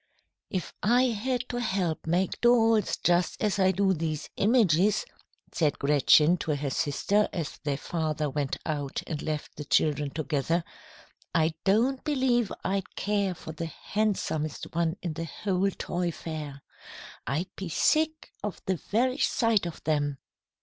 "If I had to help make dolls, just as I do these images," said Gretchen to her sister as their father went out and left the children together, "I don't believe I'd care for the handsomest one in the whole toy fair. I'd be sick of the very sight of them."